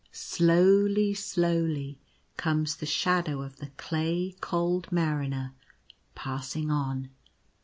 Slowly, slowly comes the shadow of the clay cold Mariner passing on.